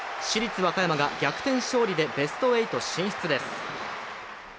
市立和歌山が逆転勝利でベスト８進出です。